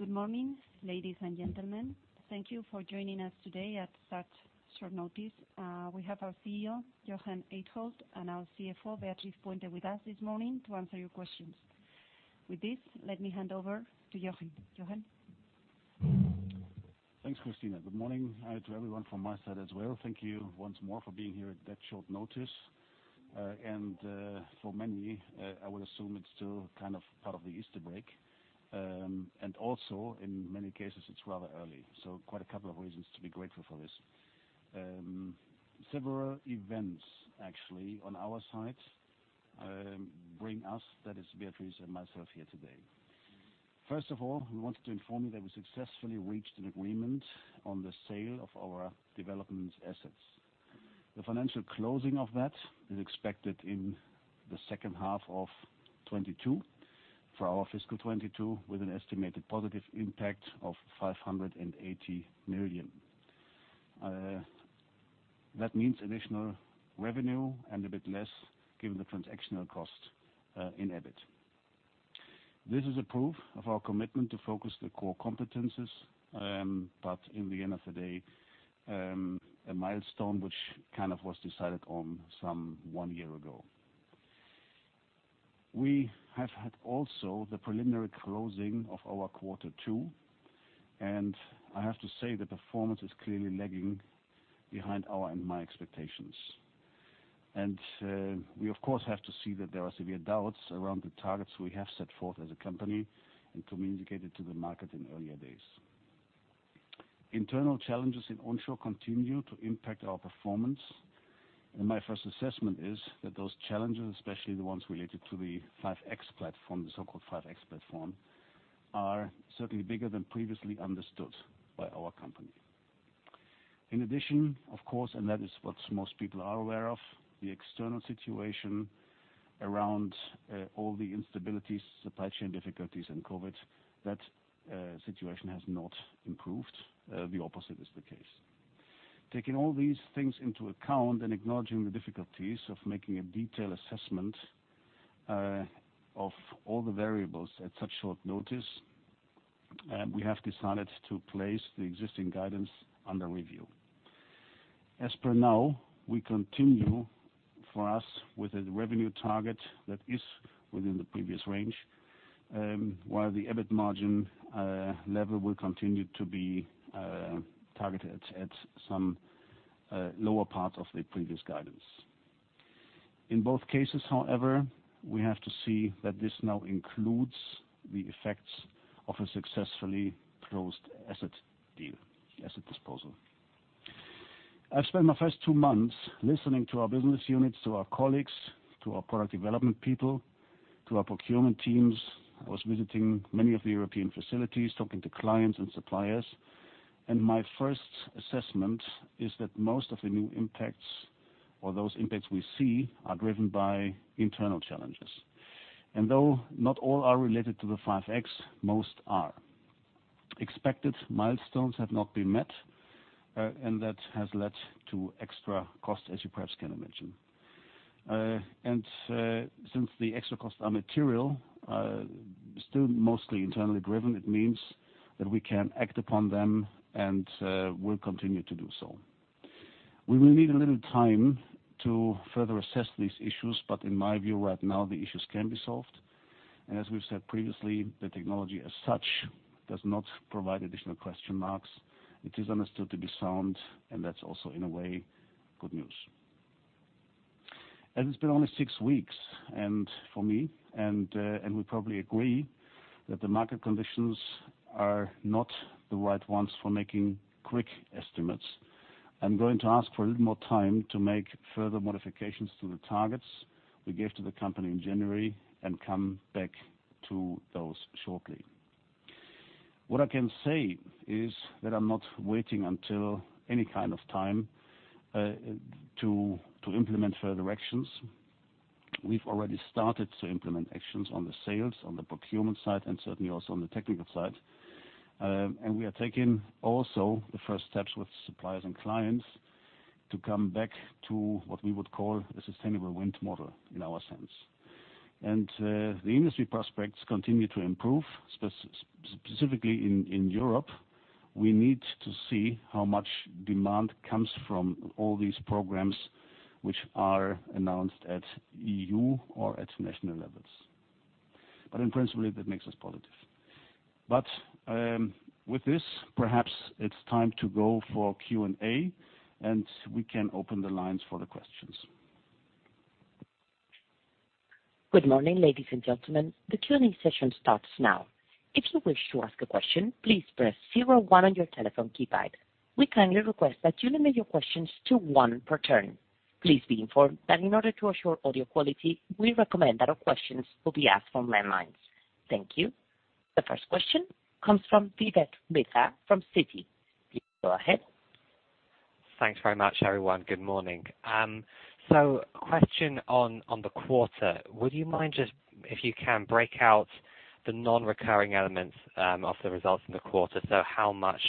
Good morning, ladies and gentlemen. Thank you for joining us today at such short notice. We have our CEO, Jochen Eickholt, and our CFO, Beatriz Puente, with us this morning to answer your questions. With this, let me hand over to Jochen. Jochen? Thanks, Cristina. Good morning to everyone from my side as well. Thank you once more for being here at that short notice. For many, I would assume it's still kind of part of the Easter break. Also in many cases it's rather early, so quite a couple of reasons to be grateful for this. Several events actually on our side bring us, that is Beatriz and myself, here today. First of all, we wanted to inform you that we successfully reached an agreement on the sale of our development assets. The financial closing of that is expected in the second half of 2022 for our fiscal 2022, with an estimated positive impact of 580 million. That means additional revenue and a bit less given the transactional cost in EBIT. This is a proof of our commitment to focus the core competencies, but in the end of the day, a milestone which kind of was decided on some one year ago. We have had also the preliminary closing of our quarter two, and I have to say the performance is clearly lagging behind our and my expectations. We of course have to see that there are severe doubts around the targets we have set forth as a company and communicated to the market in earlier days. Internal challenges in onshore continue to impact our performance, and my first assessment is that those challenges, especially the ones related to the 5.X platform, the so-called 5.X platform, are certainly bigger than previously understood by our company. In addition, of course, and that is what most people are aware of, the external situation around all the instabilities, supply chain difficulties and COVID, that situation has not improved. The opposite is the case. Taking all these things into account and acknowledging the difficulties of making a detailed assessment of all the variables at such short notice, we have decided to place the existing guidance under review. As of now, we continue for us with a revenue target that is within the previous range, while the EBIT margin level will continue to be targeted at some lower part of the previous guidance. In both cases, however, we have to see that this now includes the effects of a successfully closed asset deal, asset disposal. I've spent my first two months listening to our business units, to our colleagues, to our product development people, to our procurement teams. I was visiting many of the European facilities, talking to clients and suppliers. My first assessment is that most of the new impacts or those impacts we see are driven by internal challenges. Though not all are related to the 5.X, most are. Expected milestones have not been met, and that has led to extra costs, as you perhaps can imagine. Since the extra costs are material, still mostly internally driven, it means that we can act upon them and will continue to do so. We will need a little time to further assess these issues, but in my view, right now, the issues can be solved. As we've said previously, the technology as such does not provide additional question marks. It is understood to be sound, and that's also, in a way, good news. It's been only six weeks, and for me, we probably agree that the market conditions are not the right ones for making quick estimates. I'm going to ask for a little more time to make further modifications to the targets we gave to the company in January and come back to those shortly. What I can say is that I'm not waiting until any kind of time to implement further actions. We've already started to implement actions on the sales, on the procurement side, and certainly also on the technical side. We are taking also the first steps with suppliers and clients to come back to what we would call a sustainable wind model in our sense. The industry prospects continue to improve, specifically in Europe. We need to see how much demand comes from all these programs which are announced at E.U. or at national levels. In principle, that makes us positive. With this, perhaps it's time to go for Q&A, and we can open the lines for the questions. Good morning, ladies and gentlemen. The Q&A session starts now. If you wish to ask a question, please press zero one on your telephone keypad. We kindly request that you limit your questions to one per turn. Please be informed that in order to assure audio quality, we recommend that all questions will be asked from landlines. Thank you. The first question comes from Vivek Midha from Citi. Please go ahead. Thanks very much, everyone. Good morning. Question on the quarter. Would you mind just, if you can, break out the non-recurring elements of the results in the quarter? How much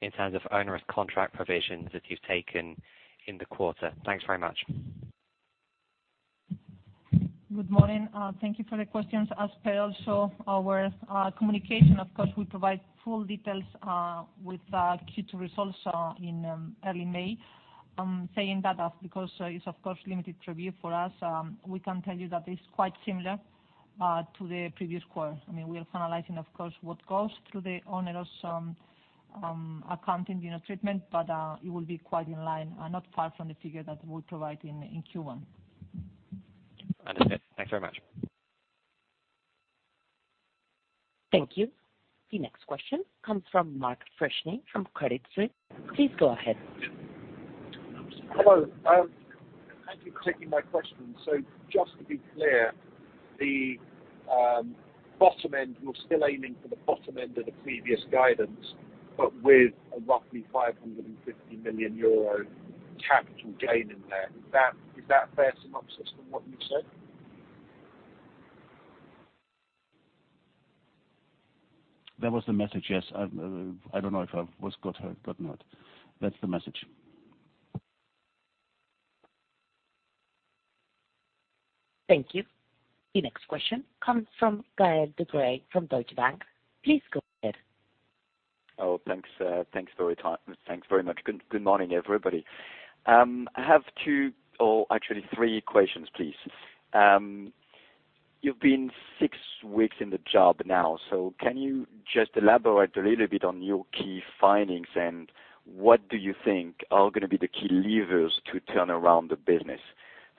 in terms of onerous contract provisions that you've taken in the quarter. Thanks very much. Good morning. Thank you for the questions. As per also our communication, of course, we provide full details with Q2 results in early May. I'm saying that because it's of course limited review for us. We can tell you that it's quite similar to the previous quarter. I mean, we are finalizing, of course, what goes through the onerous accounting, you know, treatment. It will be quite in line, not far from the figure that we provided in Q1. Understood. Thanks very much. Thank you. The next question comes from Mark Freshney from Credit Suisse. Please go ahead. Hello. Thank you for taking my question. Just to be clear, the bottom end, you're still aiming for the bottom end of the previous guidance, but with a roughly 550 million euro capital gain in there. Is that a fair synopsis from what you said? That was the message, yes. I don't know if I was cut or not. That's the message. Thank you. The next question comes from Gael de-Bray from Deutsche Bank. Please go ahead. Thanks very much. Good morning, everybody. I have two or actually three questions, please. You've been six weeks in the job now. Can you just elaborate a little bit on your key findings, and what do you think are gonna be the key levers to turn around the business?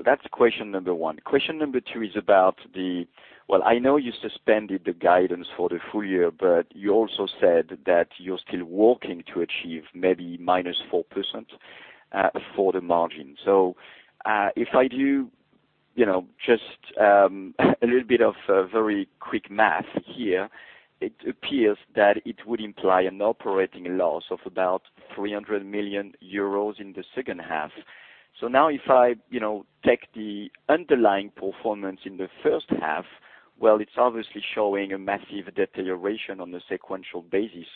That's question number one. Question number two is about the guidance. I know you suspended the guidance for the full-year, but you also said that you're still working to achieve maybe -4% for the margin. If I do, you know, just a little bit of very quick math here, it appears that it would imply an operating loss of about 300 million euros in the second half. Now if I, you know, take the underlying performance in the first half, well, it's obviously showing a massive deterioration on the sequential basis,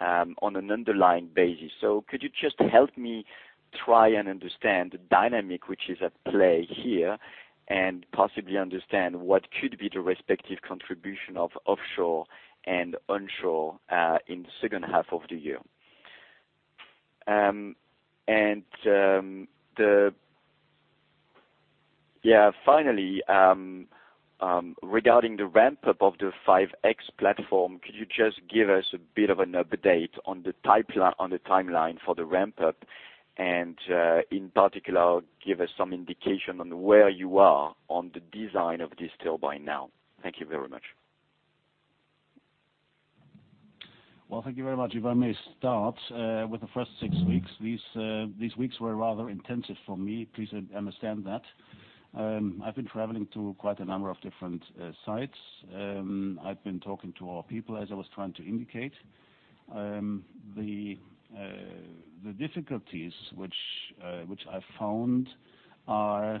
on an underlying basis. Could you just help me try and understand the dynamic which is at play here, and possibly understand what could be the respective contribution of offshore and onshore, in the second half of the year? Finally, regarding the ramp-up of the 5.X platform, could you just give us a bit of an update on the timeline for the ramp-up, and, in particular, give us some indication on where you are on the design of this turbine now? Thank you very much. Well, thank you very much. If I may start with the first six weeks. These weeks were rather intensive for me. Please understand that. I've been traveling to quite a number of different sites. I've been talking to our people, as I was trying to indicate. The difficulties which I found are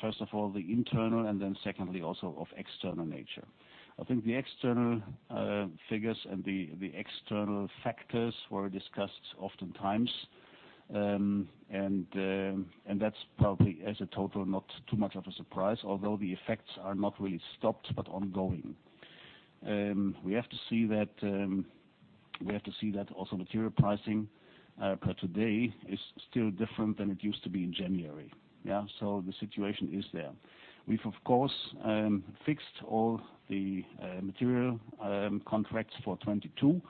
first of all the internal and then secondly also of external nature. I think the external figures and the external factors were discussed oftentimes. And that's probably, as a total, not too much of a surprise, although the effects are not really stopped but ongoing. We have to see that also material pricing per today is still different than it used to be in January. Yeah. The situation is there. We've of course fixed all the material contracts for 2022.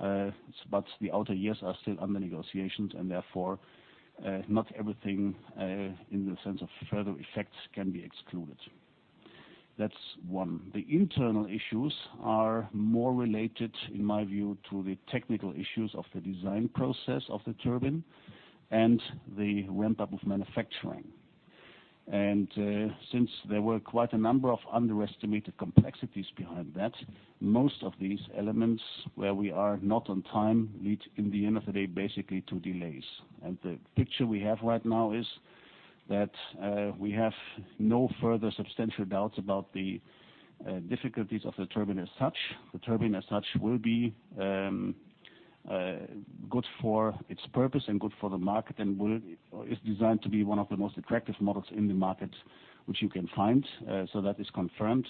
The outer years are still under negotiations, and therefore not everything in the sense of further effects can be excluded. That's one. The internal issues are more related, in my view, to the technical issues of the design process of the turbine and the ramp-up of manufacturing. Since there were quite a number of underestimated complexities behind that, most of these elements where we are not on time lead, in the end of the day, basically to delays. The picture we have right now is that we have no further substantial doubts about the difficulties of the turbine as such. The turbine as such will be good for its purpose and good for the market and or is designed to be one of the most attractive models in the market which you can find. That is confirmed.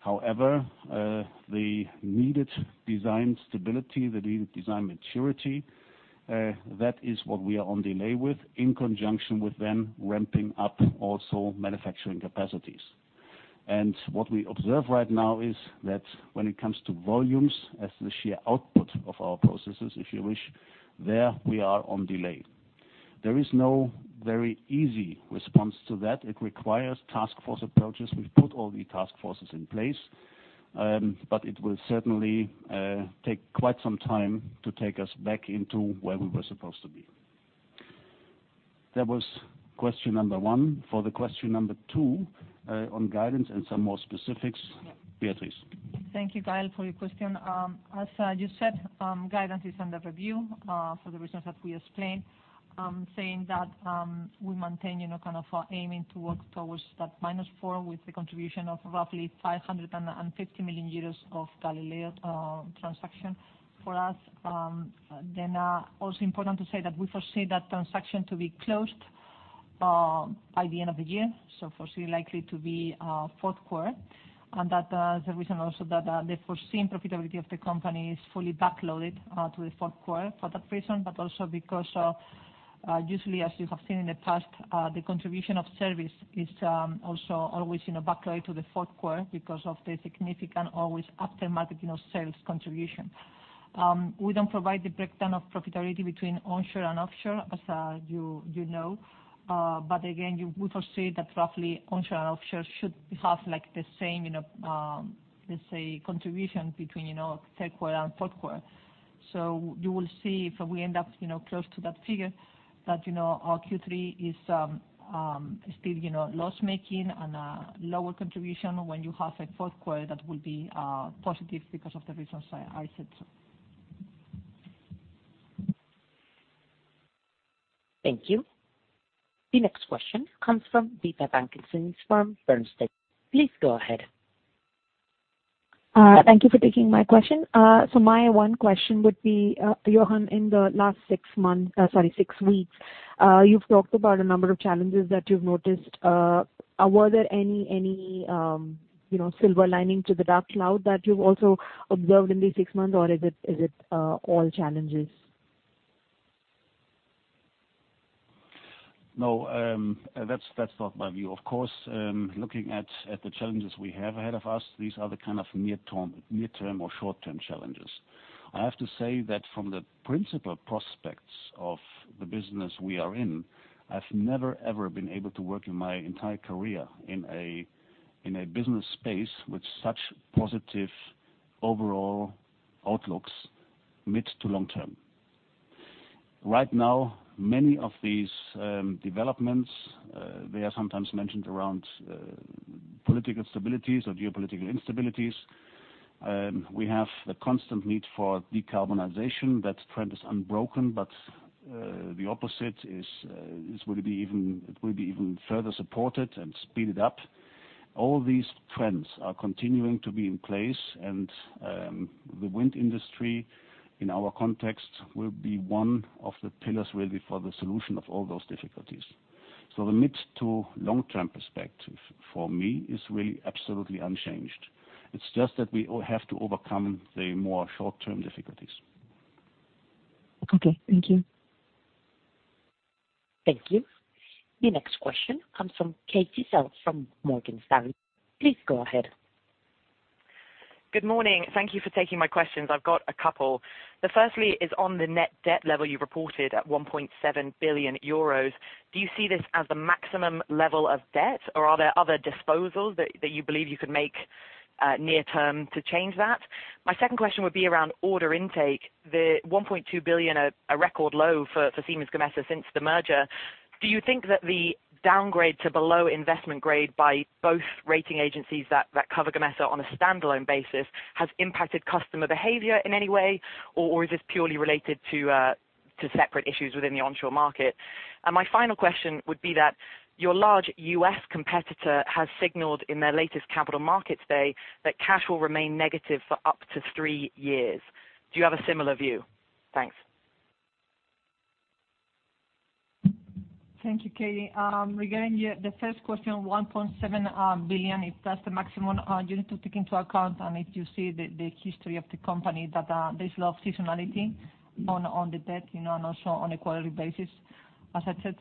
However, the needed design stability, the needed design maturity, that is what we are on delay with, in conjunction with then ramping up also manufacturing capacities. What we observe right now is that when it comes to volumes as the sheer output of our processes, if you wish, there we are on delay. There is no very easy response to that. It requires task force approaches. We've put all the task forces in place. It will certainly take quite some time to take us back into where we were supposed to be. That was question number one. For the question number two, on guidance and some more specifics, Beatriz. Thank you, Gael, for your question. As you said, guidance is under review for the reasons that we explained. Saying that, we maintain, you know, kind of aiming to work towards that minus four with the contribution of roughly 550 million euros of Galileo transaction for us. Then, also important to say that we foresee that transaction to be closed by the end of the year, so foresee likely to be fourth quarter. That is the reason also that the foreseen profitability of the company is fully backloaded to the fourth quarter for that reason. Also because usually, as you have seen in the past, the contribution of service is also always, you know, backloaded to the fourth quarter because of the significant always aftermarket, you know, sales contribution. We don't provide the breakdown of profitability between onshore and offshore, as you know. But again, you would foresee that roughly onshore and offshore should have like the same, you know, let's say contribution between, you know, third quarter and fourth quarter. You will see if we end up, you know, close to that figure that, you know, our Q3 is still, you know, loss-making and lower contribution when you have a fourth quarter that will be positive because of the reasons I said so. Thank you. The next question comes from Deepa Venkateswaran from Bernstein. Please go ahead. Thank you for taking my question. My one question would be, Jochen, in the last six months, sorry, six weeks, you've talked about a number of challenges that you've noticed. Were there any, you know, silver lining to the dark cloud that you've also observed in these six months, or is it all challenges? No, that's not my view. Of course, looking at the challenges we have ahead of us, these are the kind of near-term or short-term challenges. I have to say that from the principal prospects of the business we are in, I've never, ever been able to work in my entire career in a business space with such positive overall outlooks mid- to long-term. Right now, many of these developments, they are sometimes mentioned around political instabilities or geopolitical instabilities. We have the constant need for decarbonization. That trend is unbroken, but the opposite is going to be even further supported and speeded up. All these trends are continuing to be in place and, the wind industry in our context, will be one of the pillars, really, for the solution of all those difficulties. The mid- to long-term perspective for me is really absolutely unchanged. It's just that we all have to overcome the more short-term difficulties. Okay. Thank you. Thank you. The next question comes from Katy Zhao from Morgan Stanley. Please go ahead. Good morning. Thank you for taking my questions. I've got a couple. The firstly is on the net debt level you reported at 1.7 billion euros. Do you see this as the maximum level of debt, or are there other disposals that you believe you could make near term to change that? My second question would be around order intake. The 1.2 billion, a record low for Siemens Gamesa since the merger. Do you think that the downgrade to below investment grade by both rating agencies that cover Gamesa on a standalone basis has impacted customer behavior in any way, or is this purely related to separate issues within the onshore market? My final question would be that your large U.S. competitor has signaled in their latest capital markets day that cash will remain negative for up to three years. Do you have a similar view? Thanks. Thank you, Katy. Regarding your first question, 1.7 billion, if that's the maximum, you need to take into account, and if you see the history of the company, that there's a lot of seasonality on the debt, you know, and also on a quarterly basis. As I said,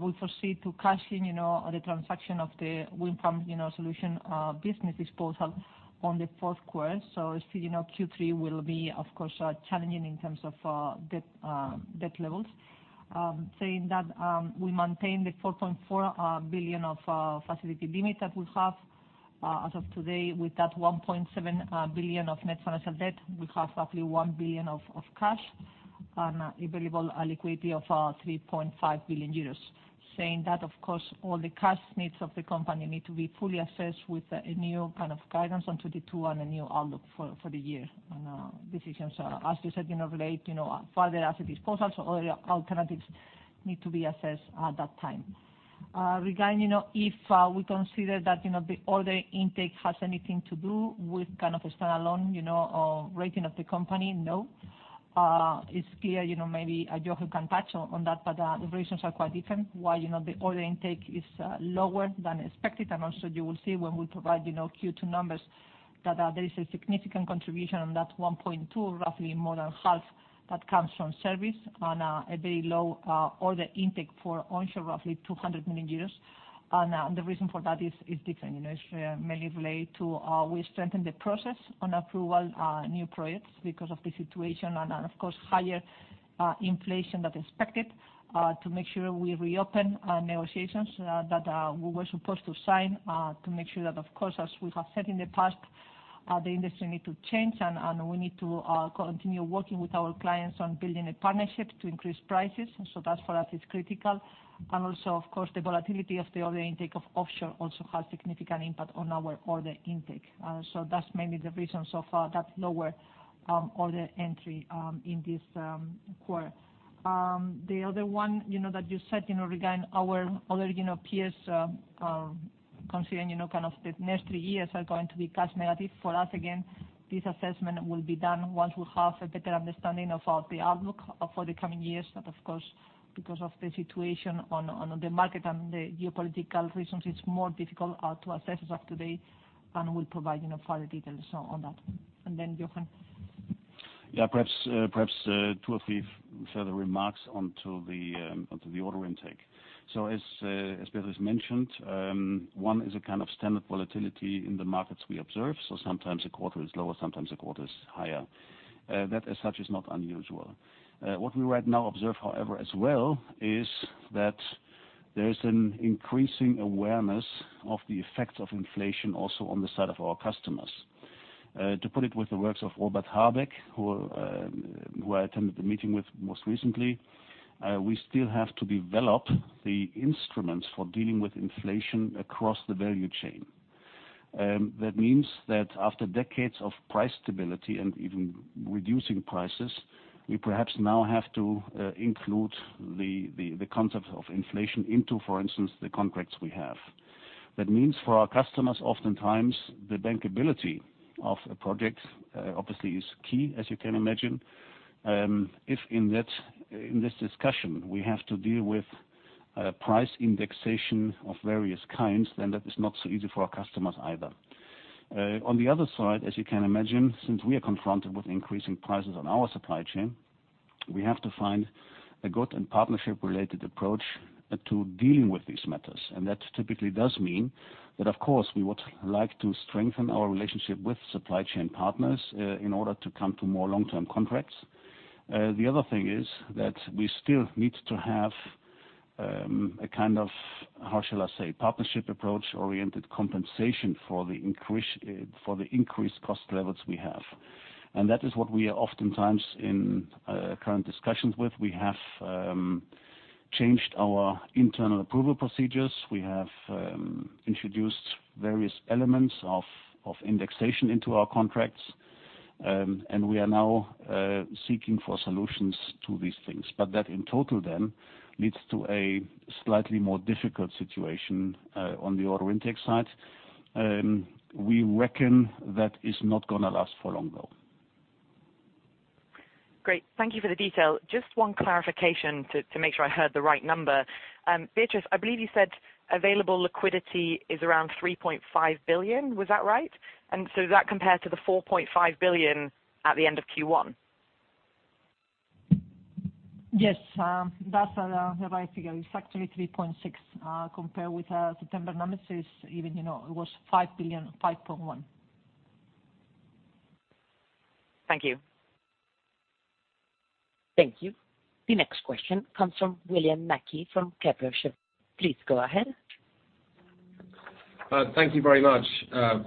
we foresee to cash in, you know, the transaction of the wind farm solution business disposal on the fourth quarter. Still, you know, Q3 will be of course challenging in terms of debt levels. Saying that, we maintain the 4.4 billion of facility limit that we have as of today. With that 1.7 billion of net financial debt, we have roughly 1 billion of cash and available liquidity of 3.5 billion euros. Saying that, of course, all the cash needs of the company need to be fully assessed with a new kind of guidance on 2022 and a new outlook for the year. Decisions are, as you said, you know, related to further asset disposals or other alternatives need to be assessed at that time. Regarding, you know, if we consider that, you know, the order intake has anything to do with kind of a standalone, you know, rating of the company, no. It's clear, you know, maybe Jochen can touch on that, but the reasons are quite different. Why, you know, the order intake is lower than expected, and also you will see when we provide, you know, Q2 numbers, that there is a significant contribution to that 1.2 billion, roughly more than half that comes from service on a very low order intake for onshore, roughly 200 million. The reason for that is different. You know, it's mainly related to we strengthen the process on approval new projects because of the situation and, of course, higher inflation than expected to make sure we reopen negotiations that we were supposed to sign. To make sure that of course, as we have said in the past, the industry need to change and we need to continue working with our clients on building a partnership to increase prices. That for us is critical. Also, of course, the volatility of the order intake of offshore also has significant impact on our order intake. So that's mainly the reasons for that lower order intake in this quarter. The other one, you know, that you said, you know, regarding our other, you know, peers, considering, you know, kind of the next three years are going to be cash negative for us. Again, this assessment will be done once we have a better understanding of the outlook for the coming years. Of course, because of the situation on the market and the geopolitical reasons, it's more difficult to assess as of today, and we'll provide, you know, further details on that. Jochen. Yeah, perhaps two or three further remarks onto the order intake. As Beatriz mentioned, one is a kind of standard volatility in the markets we observe. Sometimes a quarter is lower, sometimes a quarter is higher. That as such is not unusual. What we right now observe, however, as well, is that there is an increasing awareness of the effects of inflation also on the side of our customers. To put it with the words of Robert Habeck, who I attended the meeting with most recently, we still have to develop the instruments for dealing with inflation across the value chain. That means that after decades of price stability and even reducing prices, we perhaps now have to include the concept of inflation into, for instance, the contracts we have. That means for our customers, oftentimes the bankability of a project obviously is key, as you can imagine. If in that, in this discussion, we have to deal with price indexation of various kinds, then that is not so easy for our customers either. On the other side, as you can imagine, since we are confronted with increasing prices on our supply chain, we have to find a good and partnership-related approach to dealing with these matters. That typically does mean that of course, we would like to strengthen our relationship with supply chain partners in order to come to more long-term contracts. The other thing is that we still need to have a kind of, how shall I say, partnership approach-oriented compensation for the increase for the increased cost levels we have. That is what we are oftentimes in current discussions with. We have changed our internal approval procedures. We have introduced various elements of indexation into our contracts. We are now seeking for solutions to these things. That in total then leads to a slightly more difficult situation on the order intake side. We reckon that is not gonna last for long, though. Great. Thank you for the detail. Just one clarification to make sure I heard the right number. Beatriz, I believe you said available liquidity is around 3.5 billion. Was that right? That compared to the 4.5 billion at the end of Q1. Yes. That'`s the right figure. It's actually 3.6 million. Compared with September numbers is even, you know, it was 5 billion, 5.1 billion. Thank you. Thank you. The next question comes from William Mackie from Kepler Cheuvreux. Please go ahead. Thank you very much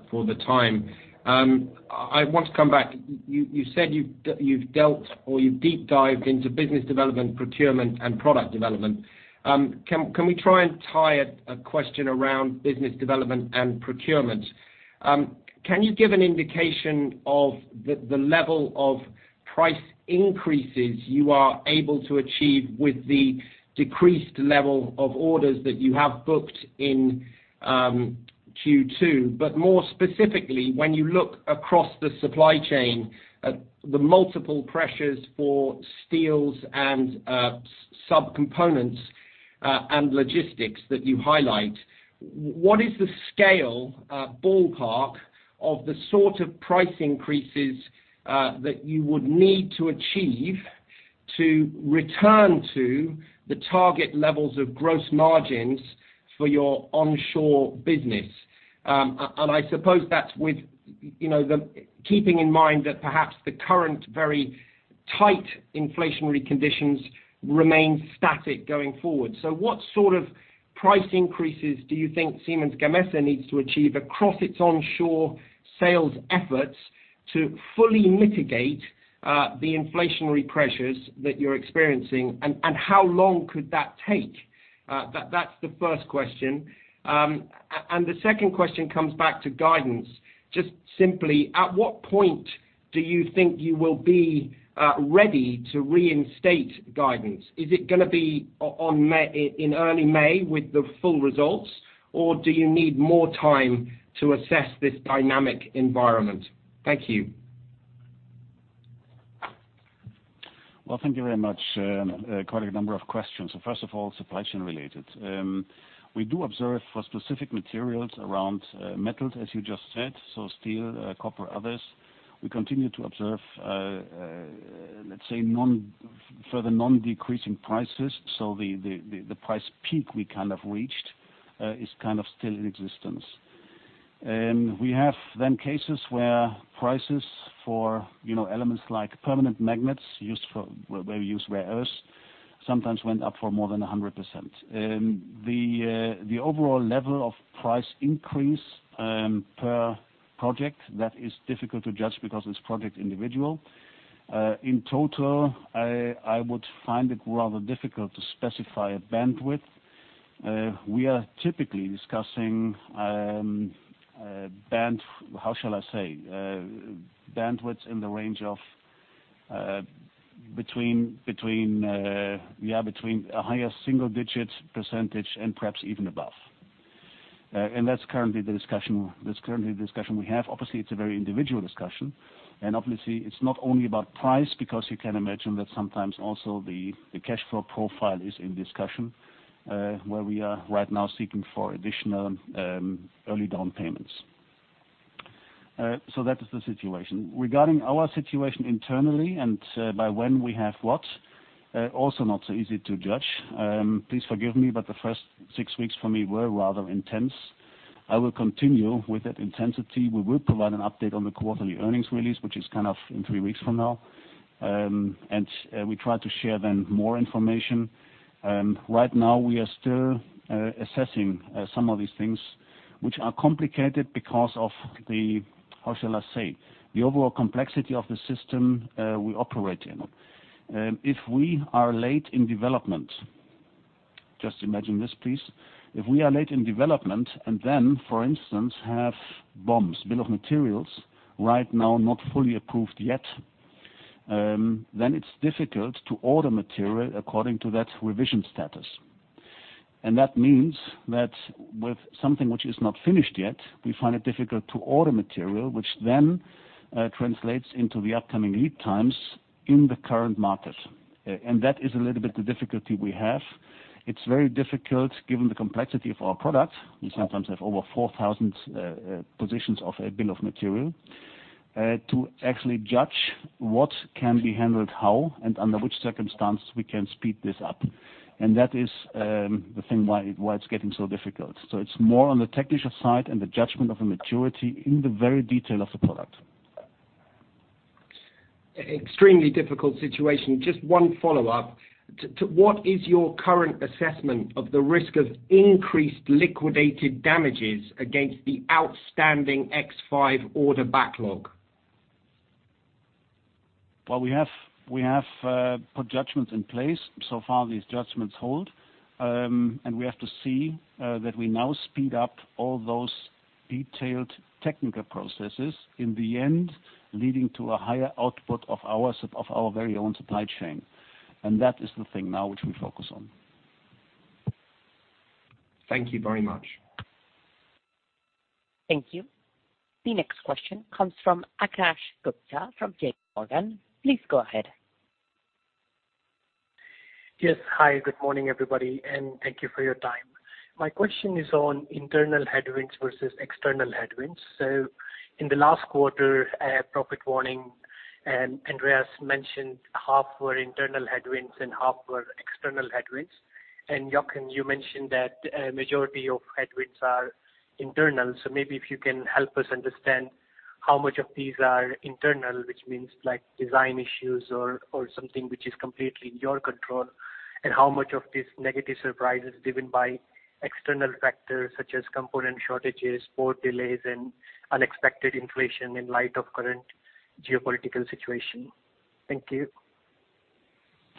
for the time. I want to come back. You said you've dealt or you've deep dived into business development, procurement and product development. Can we try and tie a question around business development and procurement? Can you give an indication of the level of price increases you are able to achieve with the decreased level of orders that you have booked in Q2? More specifically, when you look across the supply chain at the multiple pressures for steels and subcomponents and logistics that you highlight, what is the scale, ballpark of the sort of price increases that you would need to achieve to return to the target levels of gross margins for your onshore business? I suppose that's with you know, keeping in mind that perhaps the current very tight inflationary conditions remain static going forward. What sort of price increases do you think Siemens Gamesa needs to achieve across its onshore sales efforts to fully mitigate the inflationary pressures that you're experiencing? How long could that take? That's the first question. The second question comes back to guidance. Just simply, at what point do you think you will be ready to reinstate guidance? Is it gonna be on May, in early May with the full results, or do you need more time to assess this dynamic environment? Thank you. Well, thank you very much. Quite a number of questions. First of all, supply chain related. We do observe for specific materials around metals, as you just said, so steel, copper, others. We continue to observe, let's say further non-decreasing prices. The price peak we kind of reached is kind of still in existence. We have then cases where prices for, you know, elements like permanent magnets used for where we use rare earths, sometimes went up for more than 100%. The overall level of price increase per project, that is difficult to judge because it's project individual. In total, I would find it rather difficult to specify a bandwidth. We are typically discussing a band, how shall I say? Bandwidths in the range between a higher single digit percentage and perhaps even above. That's currently the discussion we have. Obviously, it's a very individual discussion, and obviously it's not only about price, because you can imagine that sometimes also the cash flow profile is in discussion, where we are right now seeking for additional early down payments. That is the situation. Regarding our situation internally and by when we have what, also not so easy to judge. Please forgive me, but the first six weeks for me were rather intense. I will continue with that intensity. We will provide an update on the quarterly earnings release, which is kind of in three weeks from now. We try to share then more information. Right now we are still assessing some of these things which are complicated because of the, how shall I say, the overall complexity of the system we operate in. If we are late in development, just imagine this, please. If we are late in development and then for instance have BOMs, bills of materials, right now not fully approved yet, then it's difficult to order material according to that revision status. That means that with something which is not finished yet, we find it difficult to order material, which then translates into the upcoming lead times in the current market. That is a little bit the difficulty we have. It's very difficult given the complexity of our product. We sometimes have over 4,000 positions of a bill of material to actually judge what can be handled how and under which circumstance we can speed this up. That is the thing why it's getting so difficult. It's more on the technical side and the judgment of a maturity in the very detail of the product. Extremely difficult situation. Just one follow-up. What is your current assessment of the risk of increased liquidated damages against the outstanding 5.X order backlog? Well, we have put judgments in place. So far, these judgments hold. We have to see that we now speed up all those detailed technical processes in the end, leading to a higher output of our very own supply chain. That is the thing now which we focus on. Thank you very much. Thank you. The next question comes from Akash Gupta from JPMorgan. Please go ahead. Yes. Hi, good morning, everybody, and thank you for your time. My question is on internal headwinds versus external headwinds. In the last quarter, profit warning, and Andreas mentioned half were internal headwinds and half were external headwinds. Jochen, you mentioned that a majority of headwinds are internal. Maybe if you can help us understand how much of these are internal, which means like design issues or something which is completely in your control, and how much of this negative surprise is driven by external factors such as component shortages, port delays, and unexpected inflation in light of current geopolitical situation. Thank you.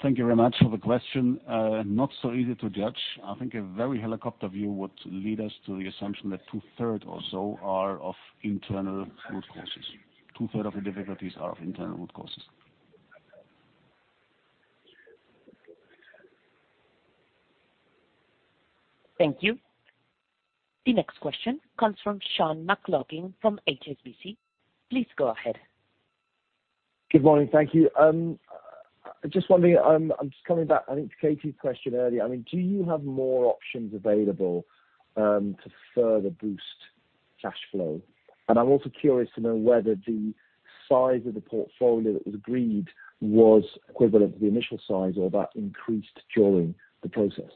Thank you very much for the question. Not so easy to judge. I think a very helicopter view would lead us to the assumption that 2/3 or so are of internal root causes. 2/3 of the difficulties are of internal root causes. Thank you. The next question comes from Sean McLoughlin from HSBC. Please go ahead. Good morning. Thank you. Just wondering, I'm just coming back, I think, to Katy's question earlier. I mean, do you have more options available to further boost cash flow? I'm also curious to know whether the size of the portfolio that was agreed was equivalent to the initial size or that increased during the process.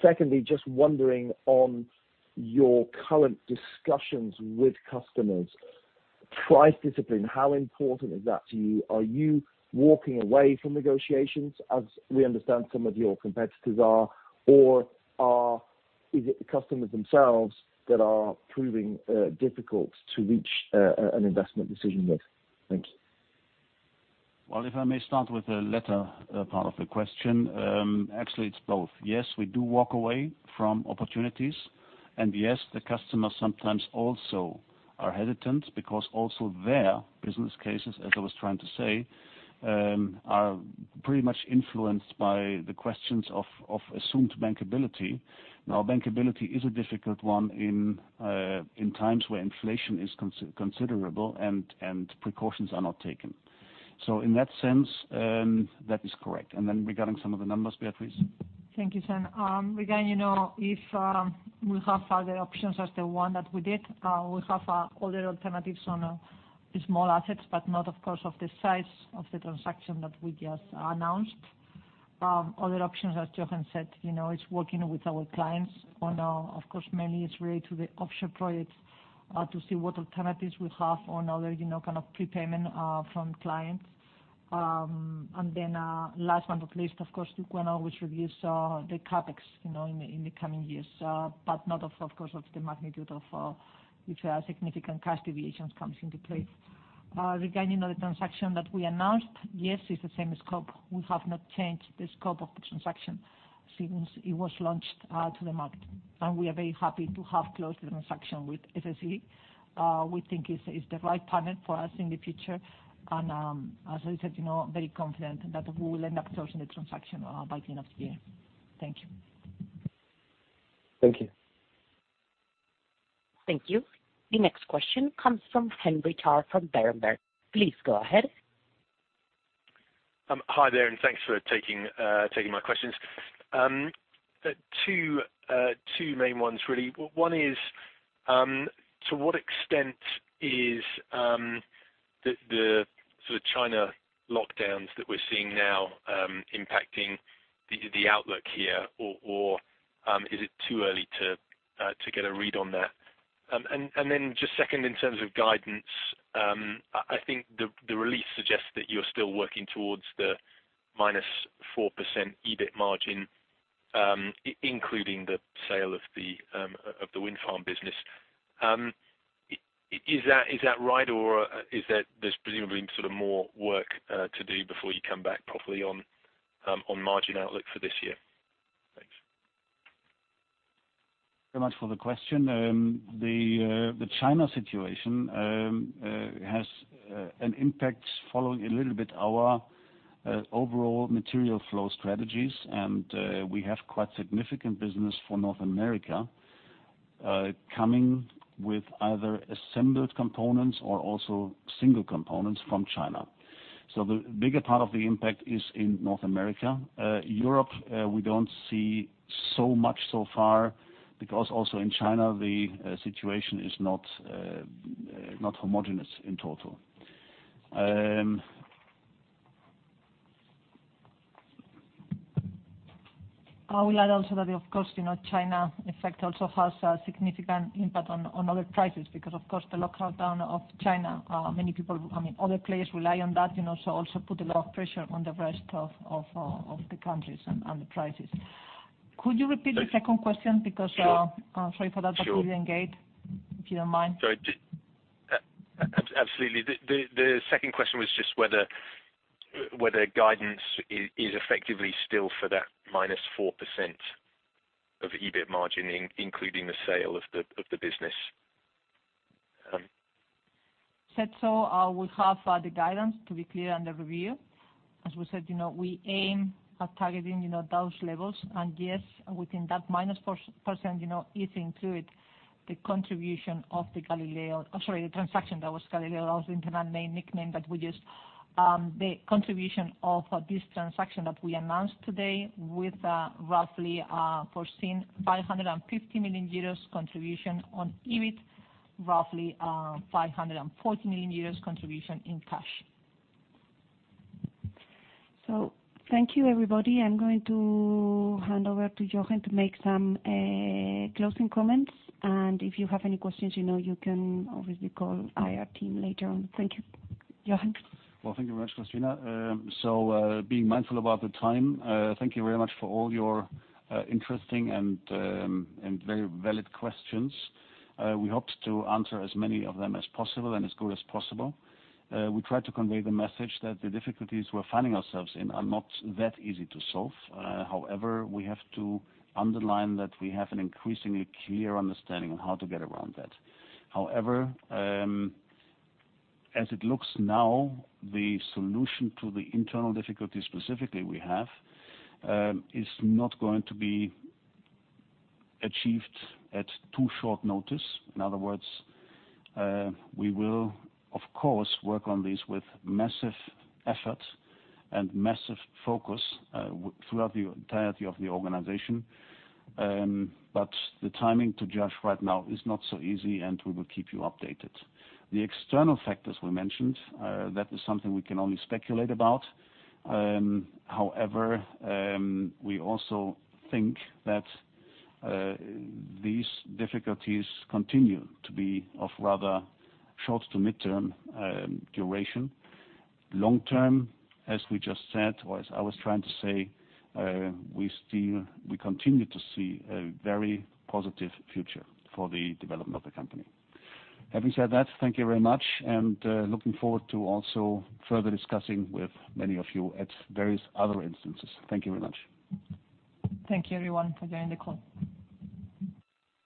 Secondly, just wondering on your current discussions with customers, price discipline, how important is that to you? Are you walking away from negotiations, as we understand some of your competitors are, or is it the customers themselves that are proving difficult to reach an investment decision with? Thank you. Well, if I may start with the latter, part of the question. Actually, it's both. Yes, we do walk away from opportunities. Yes, the customers sometimes also are hesitant because also their business cases, as I was trying to say, are pretty much influenced by the questions of assumed bankability. Now, bankability is a difficult one in times where inflation is considerable and precautions are not taken. In that sense, that is correct. Then regarding some of the numbers, Beatriz? Thank you, Sean. Regarding, you know, if we have other options as the one that we did, we have other alternatives on the small assets, but not, of course, of the size of the transaction that we just announced. Other options, as Jochen said, you know, we're working with our clients on, of course, mainly it's related to the offshore projects, to see what alternatives we have on other, you know, kind of prepayment from clients. Then, last but not least, of course, to reduce the CapEx, you know, in the coming years. Not, of course, of the magnitude with which significant cash generation comes into play. Regarding, you know, the transaction that we announced, yes, it's the same scope. We have not changed the scope of the transaction since it was launched to the market. We are very happy to have closed the transaction with SSE. We think it's the right partner for us in the future. As I said, you know, we are very confident that we will end up closing the transaction by the end of the year. Thank you. Thank you. Thank you. The next question comes from Henry Tarr from Berenberg. Please go ahead. Hi there, thanks for taking my questions. The two main ones, really. One is to what extent is the sort of China lockdowns that we're seeing now impacting the outlook here or is it too early to get a read on that? The second in terms of guidance, I think the release suggests that you're still working towards the -4% EBIT margin, including the sale of the wind farm business. Is that right? Or is there presumably sort of more work to do before you come back properly on margin outlook for this year? Thanks. Thanks very much for the question. The China situation has an impact on a little bit of our overall material flow strategies. We have quite significant business in North America coming with either assembled components or also single components from China. The bigger part of the impact is in North America. In Europe, we don't see so much so far because also in China, the situation is not homogeneous in total. I will add also that, of course, you know, China effect also has a significant impact on other prices, because of course the lockdown of China, many people, I mean, other players rely on that, you know, so also put a lot of pressure on the rest of the countries and the prices. Could you repeat the second question because, I'm sorry for that. Sure. Interruption, if you don't mind. Sorry. Absolutely. The second question was just whether guidance is effectively still for that -4% EBIT margin, including the sale of the business. So, we have the guidance to be clear under review. As we said, you know, we aim at targeting, you know, those levels. Yes, within that -4%, you know, it includes the contribution of the Galileo, I'm sorry, the transaction that was Galileo, also internal name, nickname that we use. The contribution of this transaction that we announced today with roughly foreseen 550 million euros contribution on EBIT, roughly 540 million euros contribution in cash. Thank you, everybody. I'm going to hand over to Jochen to make some closing comments. If you have any questions, you know, you can always call our team later on. Thank you. Jochen? Well, thank you very much, Cristina. Being mindful about the time, thank you very much for all your interesting and very valid questions. We hoped to answer as many of them as possible and as good as possible. We tried to convey the message that the difficulties we're finding ourselves in are not that easy to solve. However, we have to underline that we have an increasingly clear understanding on how to get around that. However, as it looks now, the solution to the internal difficulties specifically we have is not going to be achieved at too short notice. In other words, we will of course work on this with massive effort and massive focus throughout the entirety of the organization. The timing to judge right now is not so easy, and we will keep you updated. The external factors we mentioned, that is something we can only speculate about. However, we also think that these difficulties continue to be of rather short to mid-term duration. Long-term, as we just said, or as I was trying to say, we still, we continue to see a very positive future for the development of the company. Having said that, thank you very much and, looking forward to also further discussing with many of you at various other instances. Thank you very much. Thank you everyone for joining the call.